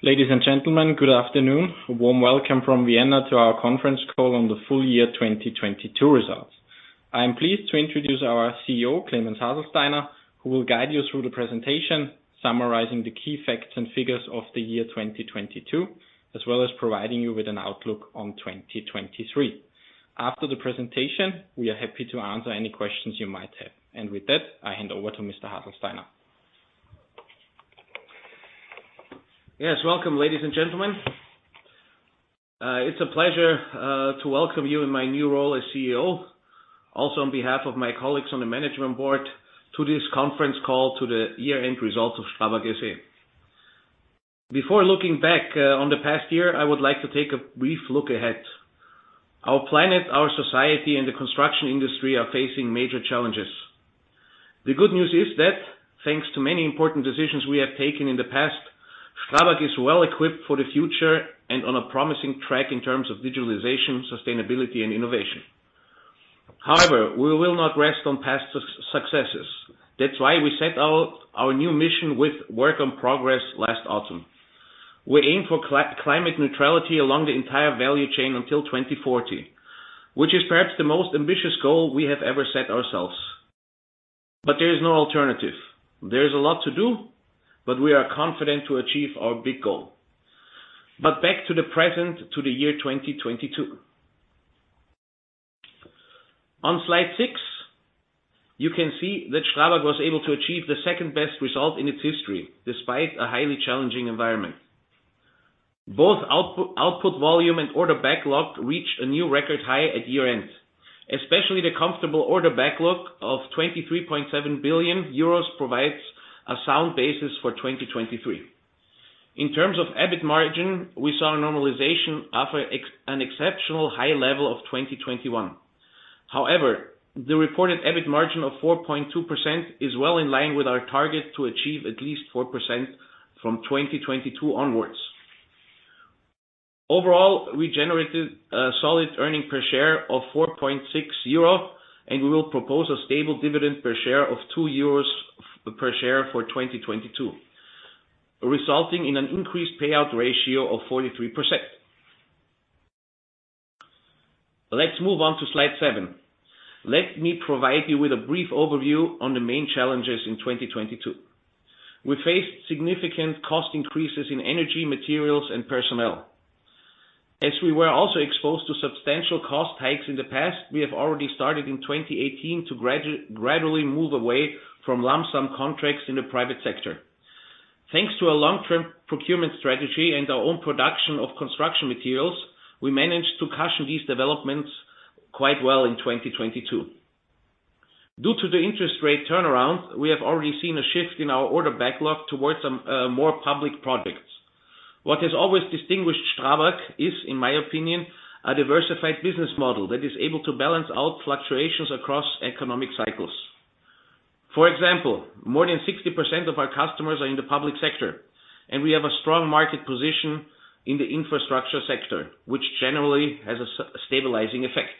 Ladies and gentlemen, good afternoon. A warm welcome from Vienna to our conference call on the full year 2022 results. I am pleased to introduce our CEO, Klemens Haselsteiner, who will guide you through the presentation, summarizing the key facts and figures of the year 2022, as well as providing you with an outlook on 2023. After the presentation, we are happy to answer any questions you might have. With that, I hand over to Mr. Haselsteiner. Yes, welcome, ladies and gentlemen. It's a pleasure to welcome you in my new role as CEO, also on behalf of my colleagues on the management board, to this conference call to the year-end results of STRABAG SE. Before looking back on the past year, I would like to take a brief look ahead. Our planet, our society, and the construction industry are facing major challenges. The good news is that thanks to many important decisions we have taken in the past, STRABAG is well equipped for the future and on a promising track in terms of digitalization, sustainability, and innovation. However, we will not rest on past successes. That's why we set out our new mission with Work On Progress last autumn. We aim for climate neutrality along the entire value chain until 2040, which is perhaps the most ambitious goal we have ever set ourselves. There is no alternative. There is a lot to do, we are confident to achieve our big goal. Back to the present, to the year 2022. On slide six, you can see that STRABAG was able to achieve the second-best result in its history, despite a highly challenging environment. Both output volume and order backlog reached a new record high at year-end, especially the comfortable order backlog of 23.7 billion euros provides a sound basis for 2023. In terms of EBIT margin, we saw a normalization after an exceptional high level of 2021. However, the reported EBIT margin of 4.2% is well in line with our target to achieve at least 4% from 2022 onwards. Overall, we generated a solid earning per share of 4.6 euro, we will propose a stable dividend per share of 2 euros per share for 2022, resulting in an increased payout ratio of 43%. Let's move on to slide seven. Let me provide you with a brief overview on the main challenges in 2022. We faced significant cost increases in energy, materials, and personnel. As we were also exposed to substantial cost hikes in the past, we have already started in 2018 to gradually move away from lump sum contracts in the private sector. Thanks to our long-term procurement strategy and our own production of construction materials, we managed to cushion these developments quite well in 2022. Due to the interest rate turnaround, we have already seen a shift in our order backlog towards some more public projects. What has always distinguished STRABAG is, in my opinion, a diversified business model that is able to balance out fluctuations across economic cycles. For example, more than 60% of our customers are in the public sector, and we have a strong market position in the infrastructure sector, which generally has a stabilizing effect.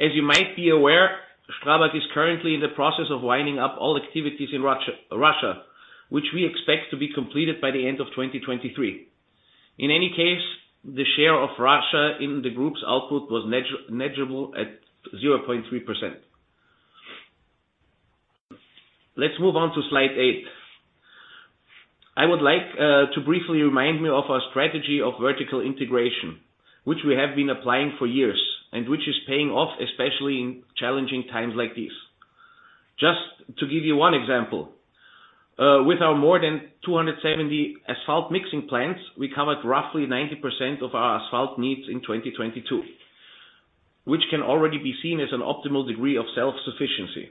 As you might be aware, STRABAG is currently in the process of winding up all activities in Russia, which we expect to be completed by the end of 2023. In any case, the share of Russia in the group's output was negligible at 0.3%. Let's move on to slide 8. I would like to briefly remind me of our strategy of vertical integration, which we have been applying for years and which is paying off, especially in challenging times like these. Just to give you one example, with our more than 270 asphalt mixing plants, we covered roughly 90% of our asphalt needs in 2022, which can already be seen as an optimal degree of self-sufficiency.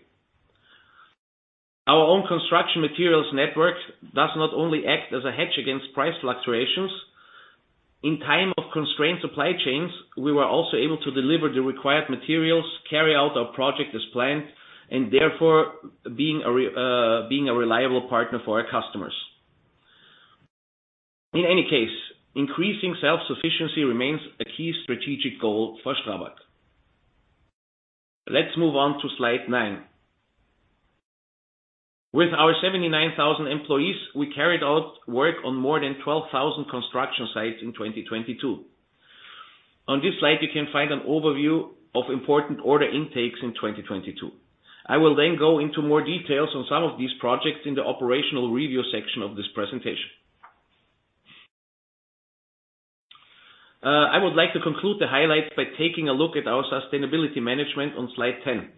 Our own construction materials network does not only act as a hedge against price fluctuations. In time of constrained supply chains, we were also able to deliver the required materials, carry out our project as planned, and therefore being a reliable partner for our customers. In any case, increasing self-sufficiency remains a key strategic goal for STRABAG. Let's move on to slide nine. With our 79,000 employees, we carried out work on more than 12,000 construction sites in 2022. On this slide, you can find an overview of important order intakes in 2022. I will then go into more details on some of these projects in the operational review section of this presentation. I would like to conclude the highlights by taking a look at our sustainability management on slide 10.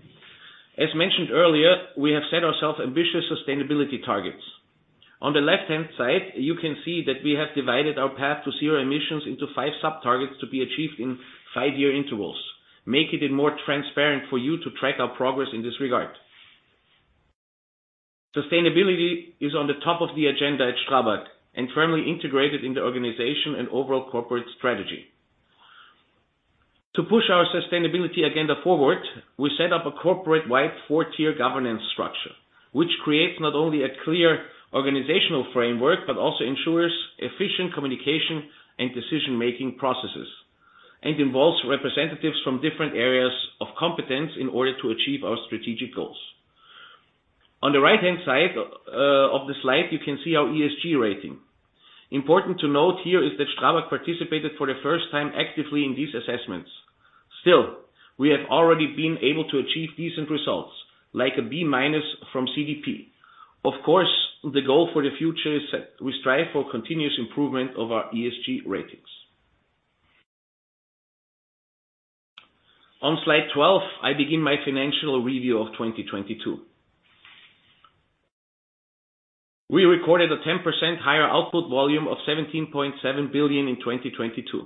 As mentioned earlier, we have set ourselves ambitious sustainability targets. On the left-hand side, you can see that we have divided our path to zero emissions into five sub targets to be achieved in five-year intervals, making it more transparent for you to track our progress in this regard. Sustainability is on the top of the agenda at STRABAG and firmly integrated in the organization and overall corporate strategy. To push our sustainability agenda forward, we set up a corporate-wide four-tier governance structure, which creates not only a clear organizational framework, but also ensures efficient communication and decision-making processes, and involves representatives from different areas of competence in order to achieve our strategic goals. On the right-hand side of the slide, you can see our ESG rating. Important to note here is that STRABAG participated for the first time actively in these assessments. Still, we have already been able to achieve decent results, like a B- from CDP. Of course, the goal for the future is set. We strive for continuous improvement of our ESG ratings. On slide 12, I begin my financial review of 2022. We recorded a 10% higher output volume of 17.7 billion in 2022.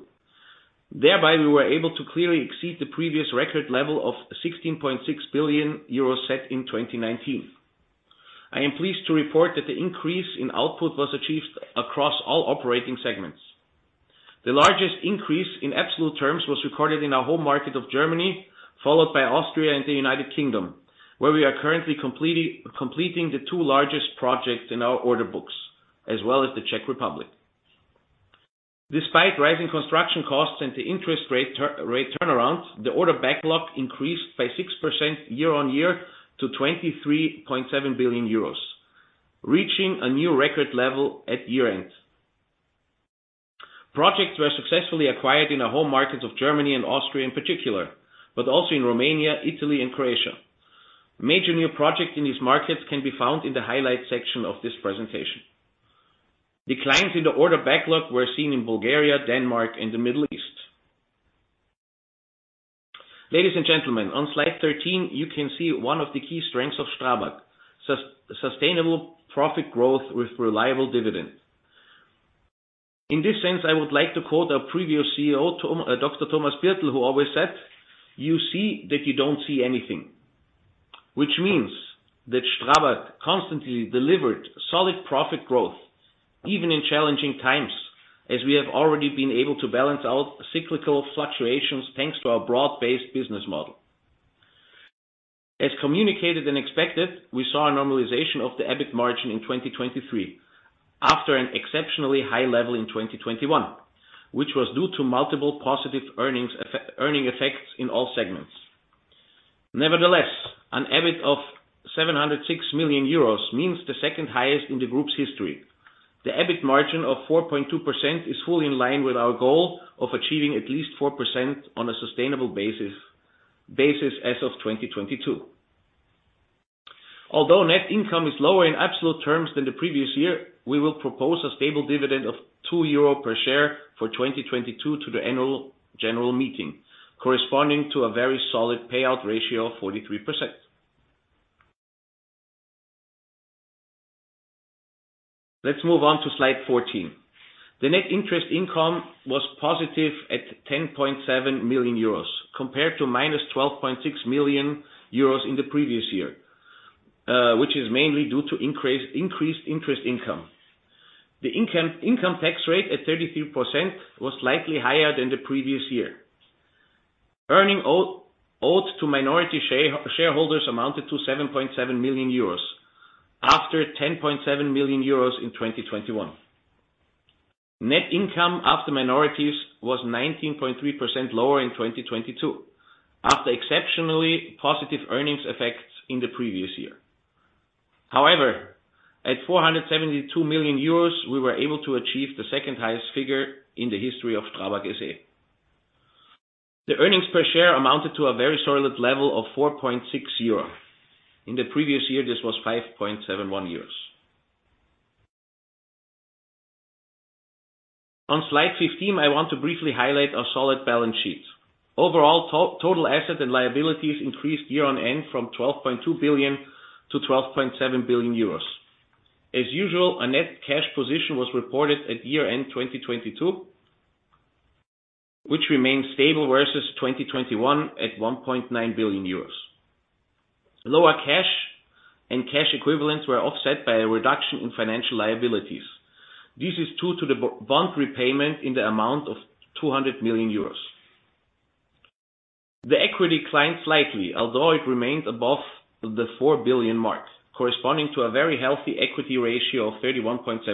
Thereby, we were able to clearly exceed the previous record level of 16.6 billion euros set in 2019. I am pleased to report that the increase in output was achieved across all operating segments. The largest increase in absolute terms was recorded in our home market of Germany, followed by Austria and the United Kingdom, where we are currently completing the two largest projects in our order books, as well as the Czech Republic. Despite rising construction costs and the interest rate turnaround, the order backlog increased by 6% year on year to 23.7 billion euros, reaching a new record level at year-end. Projects were successfully acquired in our home markets of Germany and Austria in particular, but also in Romania, Italy, and Croatia. Major new projects in these markets can be found in the highlight section of this presentation. Declines in the order backlog were seen in Bulgaria, Denmark, and the Middle East. Ladies and gentlemen, on slide 13, you can see one of the key strengths of STRABAG, sustainable profit growth with reliable dividend. In this sense, I would like to quote our previous CEO, Dr. Thomas Birtel, who always said, "You see that you don't see anything." Which means that STRABAG constantly delivered solid profit growth even in challenging times, as we have already been able to balance out cyclical fluctuations thanks to our broad-based business model. As communicated and expected, we saw a normalization of the EBIT margin in 2023 after an exceptionally high level in 2021, which was due to multiple positive earning effects in all segments. Nevertheless, an EBIT of 706 million euros means the second highest in the group's history. The EBIT margin of 4.2% is fully in line with our goal of achieving at least 4% on a sustainable basis as of 2022. Although net income is lower in absolute terms than the previous year, we will propose a stable dividend of 2 euro per share for 2022 to the annual general meeting, corresponding to a very solid payout ratio of 43%. Let's move on to slide 14. The net interest income was positive at 10.7 million euros compared to -12.6 million euros in the previous year, which is mainly due to increased interest income. The income tax rate at 33% was slightly higher than the previous year. Earnings owed to minority shareholders amounted to 7.7 million euros after 10.7 million euros in 2021. Net income after minorities was 19.3% lower in 2022 after exceptionally positive earnings effects in the previous year. However, at 472 million euros, we were able to achieve the second highest figure in the history of STRABAG SE. The earnings per share amounted to a very solid level of 4.6 euro. In the previous year, this was 5.71 euros. On slide 15, I want to briefly highlight our solid balance sheet. Overall, total asset and liabilities increased year-on-end from 12.2 billion to 12.7 billion euros. As usual, a net cash position was reported at year-end 2022, which remains stable versus 2021 at 1.9 billion euros. Lower cash and cash equivalents were offset by a reduction in financial liabilities. This is due to the bond repayment in the amount of 200 million euros. The equity declined slightly, although it remained above the 4 billion mark, corresponding to a very healthy equity ratio of 31.70%,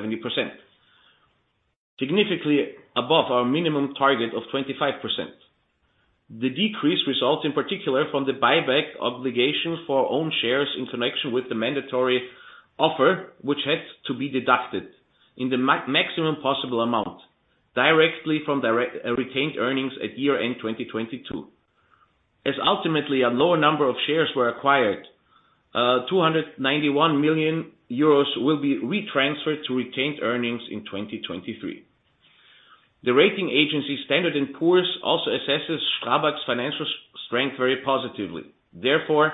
significantly above our minimum target of 25%. The decrease results in particular from the buyback obligation for our own shares in connection with the mandatory offer, which had to be deducted in the maximum possible amount directly from direct, retained earnings at year-end 2022. As ultimately a lower number of shares were acquired, 291 million euros will be retransferred to retained earnings in 2023. The rating agency Standard & Poor's also assesses STRABAG's financial strength very positively. Therefore,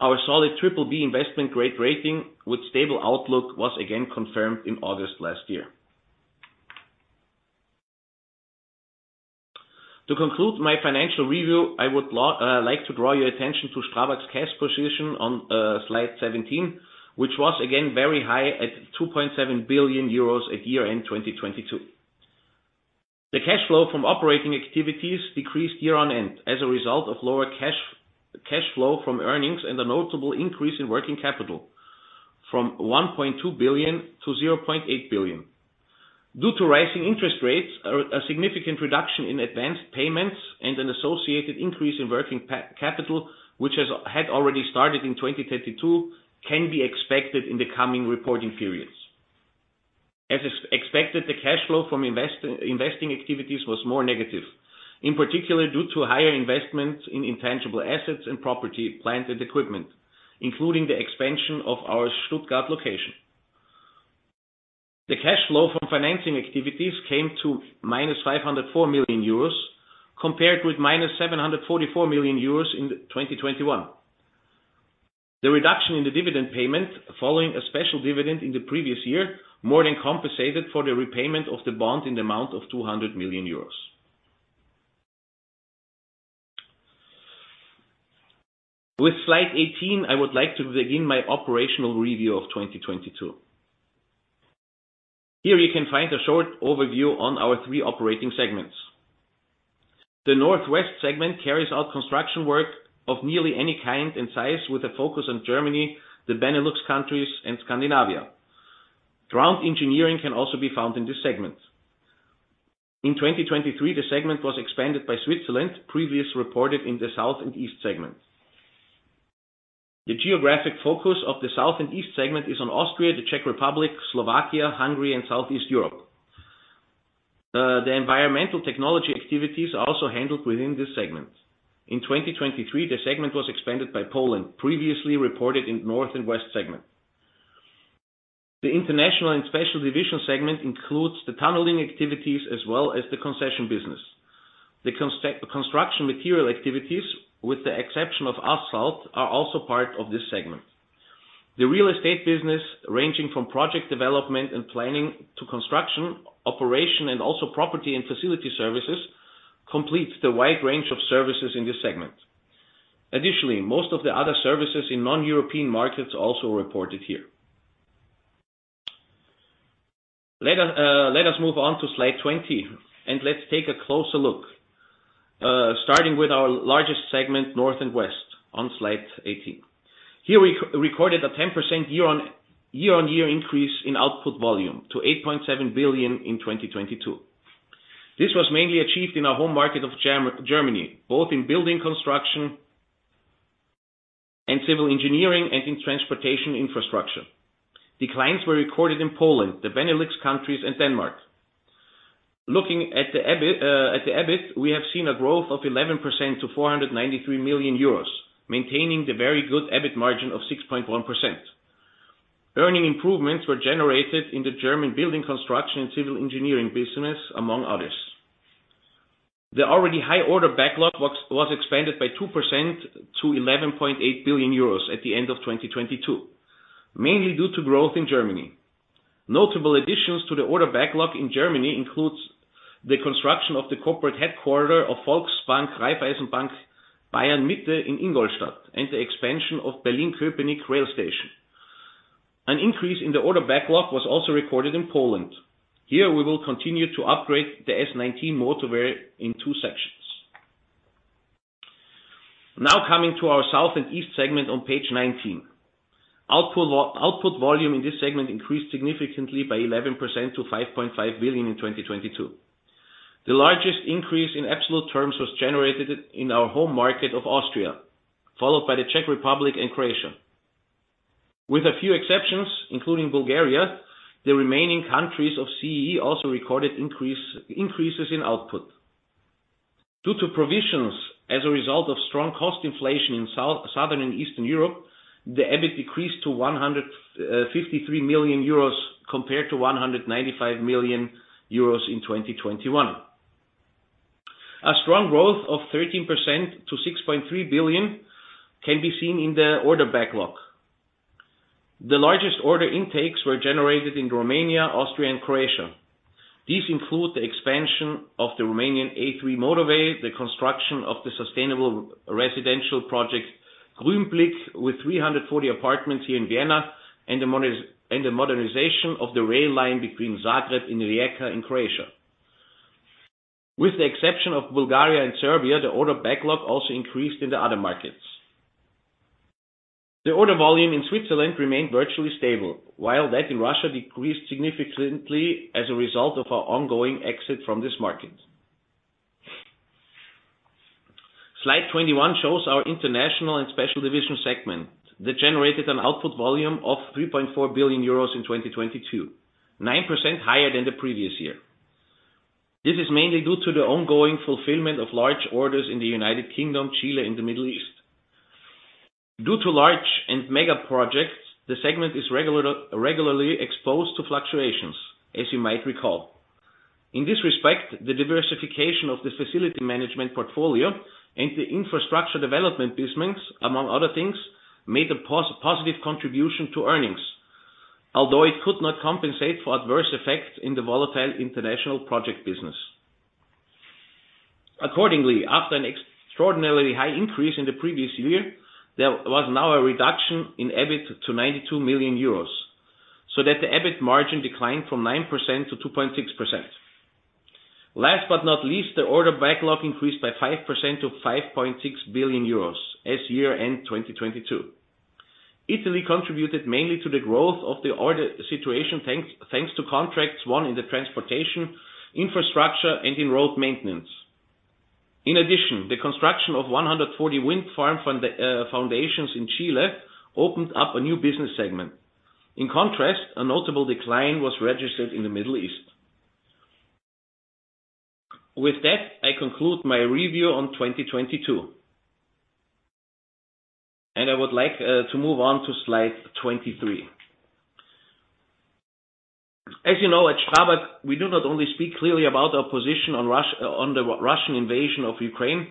our solid BBB investment grade rating with stable outlook was again confirmed in August last year. To conclude my financial review, I would like to draw your attention to STRABAG's cash position on slide 17, which was again very high at 2.7 billion euros at year-end 2022. The cash flow from operating activities decreased year on end as a result of lower cash flow from earnings and a notable increase in working capital from 1.2 billion-0.8 billion. Due to rising interest rates, a significant reduction in advanced payments and an associated increase in working capital, which had already started in 2022, can be expected in the coming reporting periods. As expected, the cash flow from investing activities was more negative, in particular, due to higher investments in intangible assets and property, plant and equipment, including the expansion of our Stuttgart location. The cash flow from financing activities came to minus 504 million euros, compared with -744 million euros in 2021. The reduction in the dividend payment following a special dividend in the previous year, more than compensated for the repayment of the bond in the amount of 200 million euros. With slide 18, I would like to begin my operational review of 2022. Here you can find a short overview on our three operating segments. The North + West segment carries out construction work of nearly any kind and size with a focus on Germany, the Benelux countries, and Scandinavia. Ground engineering can also be found in this segment. In 2023, the segment was expanded by Switzerland, previous reported in the South + East segment. The geographic focus of the South + East segment is on Austria, the Czech Republic, Slovakia, Hungary, and Southeast Europe. The environmental technology activities are also handled within this segment. In 2023, the segment was expanded by Poland, previously reported in North + West segment. The International + Special Divisions segment includes the tunneling activities as well as the concession business. The construction material activities, with the exception of asphalt, are also part of this segment. The real estate business, ranging from project development and planning to construction, operation, and also property and facility services, completes the wide range of services in this segment. Additionally, most of the other services in non-European markets also reported here. Let us move on to slide 20, and let's take a closer look, starting with our largest segment, North + West, on slide 18. Here we recorded a 10% year-on-year increase in output volume to 8.7 billion in 2022. This was mainly achieved in our home market of Germany, both in building construction and civil engineering, and in transportation infrastructure. Declines were recorded in Poland, the Benelux countries and Denmark. Looking at the EBIT, we have seen a growth of 11% to 493 million euros, maintaining the very good EBIT margin of 6.1%. Earning improvements were generated in the German building construction and civil engineering business, among others. The already high order backlog was expanded by 2% to 11.8 billion euros at the end of 2022, mainly due to growth in Germany. Notable additions to the order backlog in Germany includes the construction of the corporate headquarter of Volksbank Raiffeisenbank Bayern Mitte in Ingolstadt, and the expansion of Berlin-Köpenick Rail Station. An increase in the order backlog was also recorded in Poland. Here, we will continue to upgrade the S19 motorway in two sections. Coming to our South + East segment on page 19. Output volume in this segment increased significantly by 11% to 5.5 billion in 2022. The largest increase in absolute terms was generated in our home market of Austria, followed by the Czech Republic and Croatia. With a few exceptions, including Bulgaria, the remaining countries of CEE also recorded increases in output. Due to provisions as a result of strong cost inflation in Southern and Eastern Europe, the EBIT decreased to 153 million euros compared to 195 million euros in 2021. A strong growth of 13% to 6.3 billion can be seen in the order backlog. The largest order intakes were generated in Romania, Austria, and Croatia. These include the expansion of the Romanian A3 motorway, the construction of the sustainable residential project Grünblick, with 340 apartments here in Vienna, and the modernization of the rail line between Zagreb and Rijeka in Croatia. With the exception of Bulgaria and Serbia, the order backlog also increased in the other markets. The order volume in Switzerland remained virtually stable, while that in Russia decreased significantly as a result of our ongoing exit from this market. Slide 21 shows our International + Special Divisions segment that generated an output volume of 3.4 billion euros in 2022, 9% higher than the previous year. This is mainly due to the ongoing fulfillment of large orders in the United Kingdom, Chile, and the Middle East. Due to large and mega projects, the segment is regularly exposed to fluctuations, as you might recall. In this respect, the diversification of the facility management portfolio and the infrastructure development business, among other things, made a positive contribution to earnings, although it could not compensate for adverse effects in the volatile international project business. Accordingly, after an extraordinarily high increase in the previous year, there was now a reduction in EBIT to 92 million euros, so that the EBIT margin declined from 9%-2.6%. Last but not least, the order backlog increased by 5% to 5.6 billion euros as year-end 2022. Italy contributed mainly to the growth of the order situation thanks to contracts won in the transportation, infrastructure and in road maintenance. In addition, the construction of 140 wind farm foundations in Chile opened up a new business segment. In contrast, a notable decline was registered in the Middle East. With that, I conclude my review on 2022. I would like to move on to slide 23. As you know, at STRABAG we do not only speak clearly about our position on the Russian invasion of Ukraine,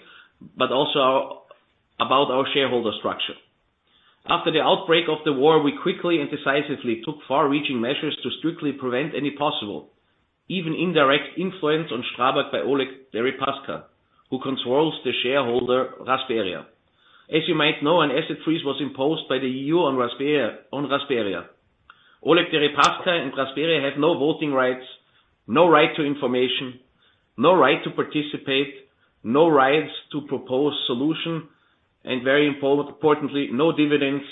but also about our shareholder structure. After the outbreak of the war, we quickly and decisively took far-reaching measures to strictly prevent any possible, even indirect influence on STRABAG by Oleg Deripaska, who controls the shareholder Rasperia. As you might know, an asset freeze was imposed by the EU on Rasperia. Oleg Deripaska and Rasperia have no voting rights, no right to information, no right to participate, no rights to propose solution, and very importantly, no dividends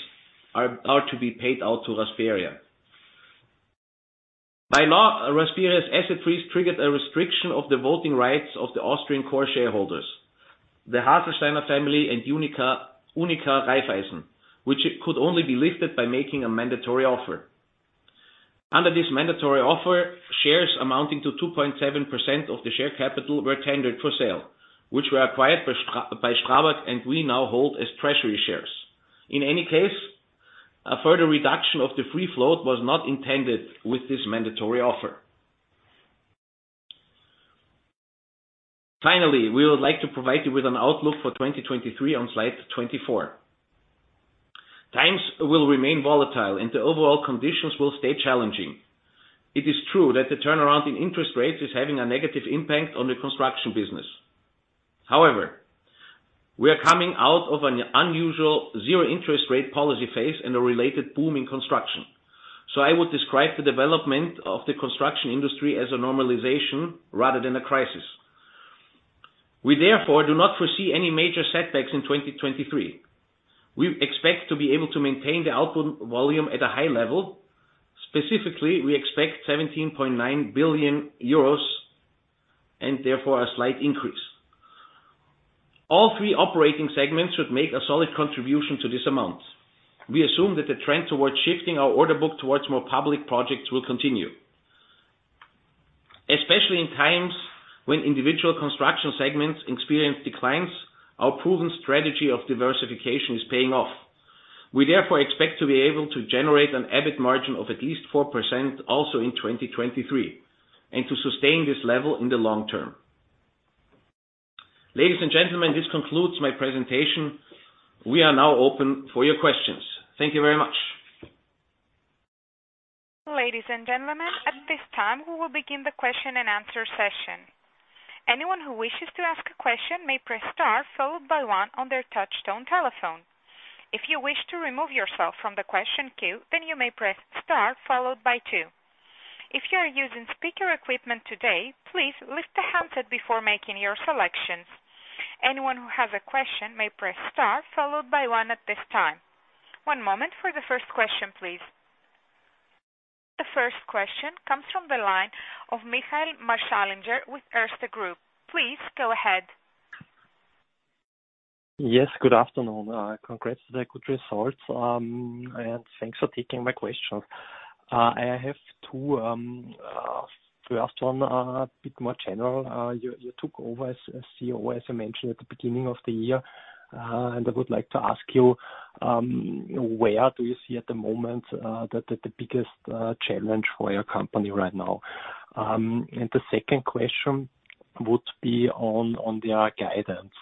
are to be paid out to Rasperia. By law, Rasperia's asset freeze triggered a restriction of the voting rights of the Austrian core shareholders, the Haselsteiner family and UNIQA Raiffeisen, which could only be lifted by making a mandatory offer. Under this mandatory offer, shares amounting to 2.7% of the share capital were tendered for sale, which were acquired by STRABAG and we now hold as treasury shares. In any case, a further reduction of the free float was not intended with this mandatory offer. Finally, we would like to provide you with an outlook for 2023 on slide 24. Times will remain volatile and the overall conditions will stay challenging. It is true that the turnaround in interest rates is having a negative impact on the construction business. However, we are coming out of an unusual zero interest rate policy phase and a related boom in construction. I would describe the development of the construction industry as a normalization rather than a crisis. We therefore do not foresee any major setbacks in 2023. We expect to be able to maintain the output volume at a high level. Specifically, we expect 17.9 billion euros and therefore a slight increase. All three operating segments should make a solid contribution to this amount. We assume that the trend towards shifting our order book towards more public projects will continue. Especially in times when individual construction segments experience declines, our proven strategy of diversification is paying off. We therefore expect to be able to generate an EBIT margin of at least 4% also in 2023, and to sustain this level in the long-term. Ladies and gentlemen, this concludes my presentation. We are now open for your questions. Thank you very much. Ladies and gentlemen, at this time, we will begin the question-and-answer session. Anyone who wishes to ask a question may press star followed by one on their touchtone telephone. If you wish to remove yourself from the question queue, then you may press star followed by two. If you are using speaker equipment today, please lift the handset before making your selections. Anyone who has a question may press star followed by one at this time. One moment for the first question, please. The first question comes from the line of Michael Marschallinger with Erste Group. Please go ahead. Yes, good afternoon. Congrats to the good results, and thanks for taking my question. I have two. The first one, a bit more general. You took over as CEO, as I mentioned at the beginning of the year. And I would like to ask you, where do you see at the moment the biggest challenge for your company right now? And the second question would be on the guidance.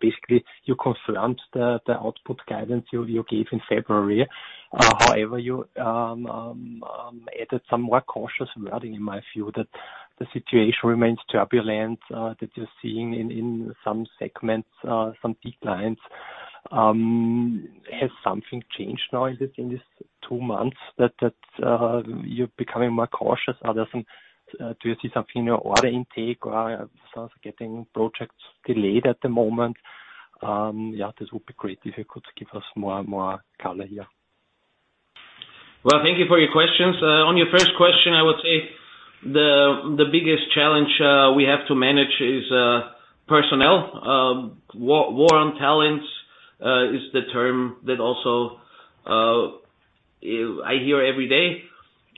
Basically, you confirmed the output guidance you gave in February. However, you added some more cautious wording in my view that the situation remains turbulent, that you're seeing in some segments some declines. Has something changed now in this, in this two months that, you're becoming more cautious? Do you see something in your order intake or start getting projects delayed at the moment? Yeah, this would be great if you could give us more, more color here. Well, thank you for your questions. On your first question, I would say the biggest challenge we have to manage is personnel. War on talents is the term that also I hear every day.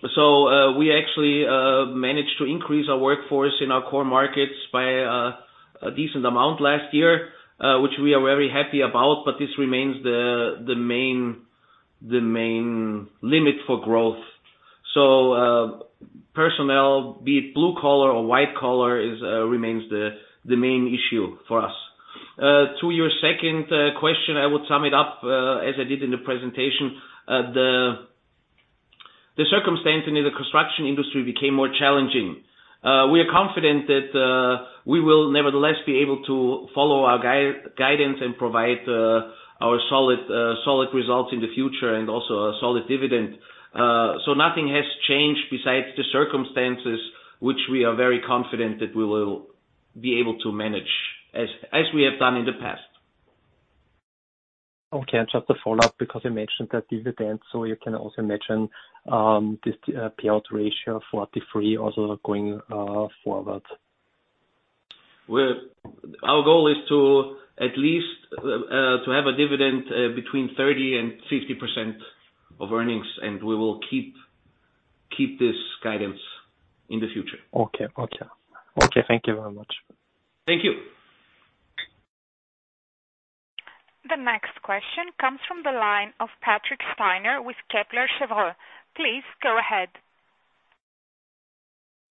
We actually managed to increase our workforce in our core markets by a decent amount last year, which we are very happy about, but this remains the main limit for growth. Personnel, be it blue collar or white collar is remains the main issue for us. To your second question, I would sum it up as I did in the presentation. The circumstance in the construction industry became more challenging. We are confident that we will nevertheless be able to follow our guidance and provide our solid results in the future and also a solid dividend. Nothing has changed besides the circumstances which we are very confident that we will improve, be able to manage as we have done in the past. Okay. Just a follow-up, because you mentioned that dividend, so you can also mention, this payout ratio for T3 also going, forward. Our goal is to at least to have a dividend between 30% and 50% of earnings, and we will keep this guidance in the future. Okay. Okay. Okay. Thank you very much. Thank you. The next question comes from the line of Patrick Steiner with Kepler Cheuvreux. Please go ahead.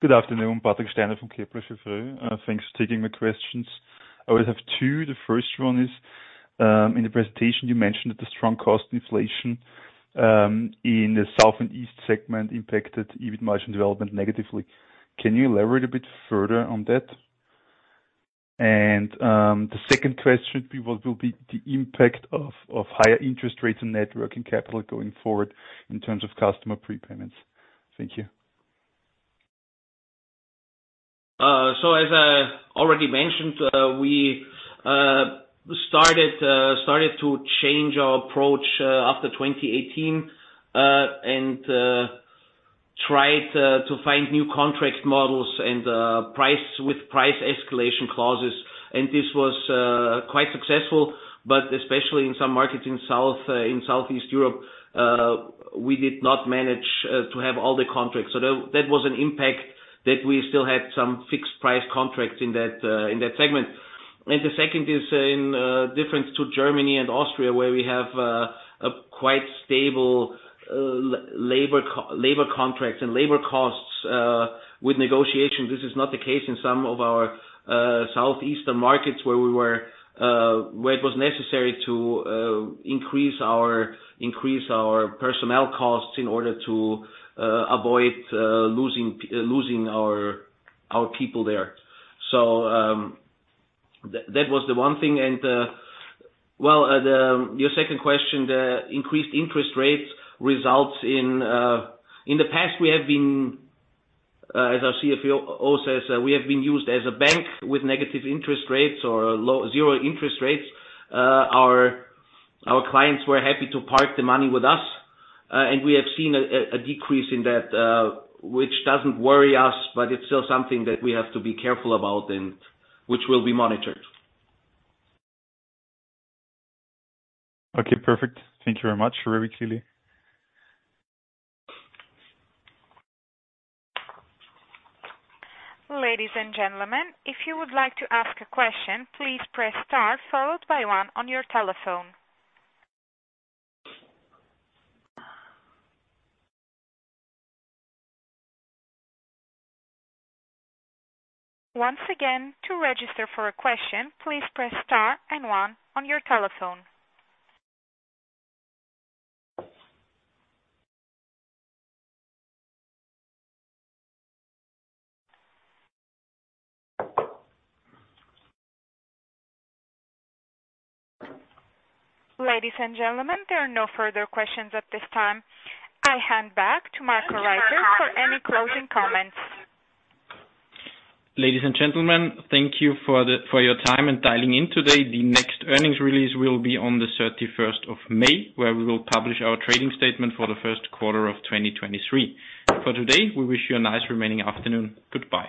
Good afternoon, Patrick Steiner from Kepler Cheuvreux. Thanks for taking my questions. I always have two. The first one is, in the presentation, you mentioned that the strong cost inflation in the South + East segment impacted EBIT margin development negatively. Can you elaborate a bit further on that? The second question will be what will be the impact of higher interest rates and net working capital going forward in terms of customer prepayments? Thank you. As I already mentioned, we started to change our approach after 2018 and tried to find new contract models with price escalation clauses. This was quite successful, but especially in some markets in South in Southeast Europe, we did not manage to have all the contracts. That was an impact that we still had some fixed price contracts in that in that segment. The second is in difference to Germany and Austria, where we have a quite stable labor contracts and labor costs with negotiation. This is not the case in some of our southeastern markets where it was necessary to increase our personnel costs in order to avoid losing our people there. That was the one thing. Well, your second question, the increased interest rates results in. In the past, we have been, as our CFO also says, we have been used as a bank with negative interest rates or zero interest rates. Our clients were happy to park the money with us, and we have seen a decrease in that, which doesn't worry us, but it's still something that we have to be careful about and which will be monitored. Okay, perfect. Thank You very much. Very clearly. Ladies and gentlemen, if you would like to ask a question, please press star followed by one on your telephone. Once again, to register for a question, please press star and one on your telephone. Ladies and gentlemen, there are no further questions at this time. I hand back to Marco Reiter for any closing comments. Ladies and gentlemen, thank you for your time and dialing in today. The next earnings release will be on the 31st of May, where we will publish our trading statement for the first quarter of 2023. For today, we wish you a nice remaining afternoon. Goodbye.